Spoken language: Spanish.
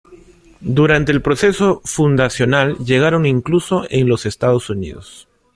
Durante el proceso fundacional llegaron incluso en los Estados Unidos.